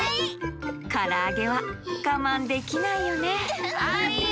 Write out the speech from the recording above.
からあげはがまんできないよねはいよ。